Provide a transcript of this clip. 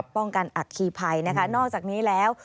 ป้องกันอัคคีภัยนะคะนอกจากนี้แล้ว